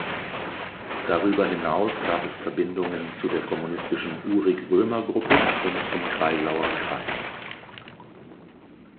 Darüber hinaus gab es Verbindungen zu der kommunistischen Uhrig-Römer-Gruppe und zum Kreisauer Kreis.